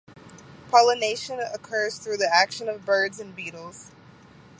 Pollination occurs through the action of birds and beetles.